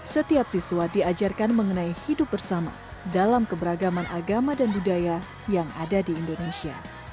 setiap siswa diajarkan mengenai hidup bersama dalam keberagaman agama dan budaya yang ada di indonesia